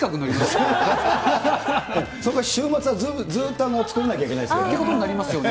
けれそのかわり、週末はずっと造らなきゃいけないですけどね。ということになりますよね。